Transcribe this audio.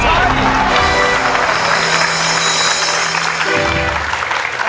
ใช่